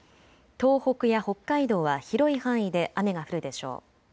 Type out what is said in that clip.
東北や北海道は広い範囲で雨が降るでしょう。